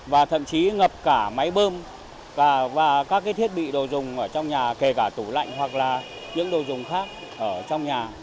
và thậm chí ngập cả máy bơm và các thiết bị đồ dùng ở trong nhà kể cả tủ lạnh hoặc là những đồ dùng khác ở trong nhà